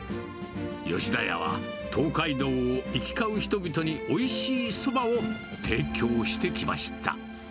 吉田屋は、東海道を行き交う人々においしいそばを提供してきました。